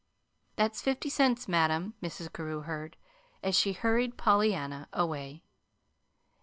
"That's fifty cents, madam," Mrs. Carew heard, as she hurried Pollyanna away.